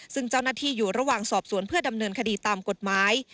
ซึ่งเจ้าหน้าที่อยู่ระหว่างสอบสวนเพื่อดำเนินคดีตามกฎหมาย